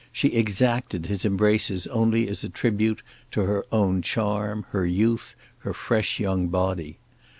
She exacted his embraces only as tribute to her own charm, her youth, her fresh young body.